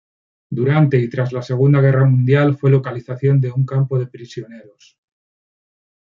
Durante y tras la Segunda Guerra Mundial, fue localización de un campo de prisioneros.